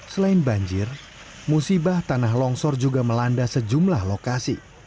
selain banjir musibah tanah longsor juga melanda sejumlah lokasi